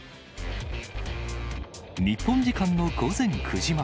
日本時間の午前９時前。